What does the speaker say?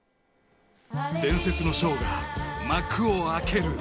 伝説のショーが幕を開ける。